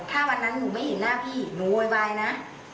ถ้าวันนั้นหนูไม่เห็นหน้าพี่หนูโวยวายนะ